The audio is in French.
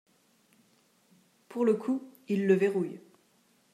Pour le coup il le verrouille.